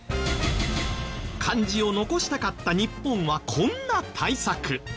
漢字を残したかった日本はこんな対策。